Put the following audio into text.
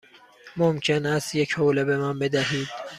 ممکن است یک حوله به من بدهید؟